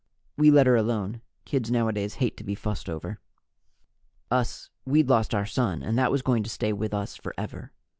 We let her alone. Kids nowadays hate to be fussed over. Us, we'd lost our son, and that was going to stay with us forever.